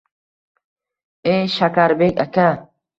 E-yyy, Shakarbek aka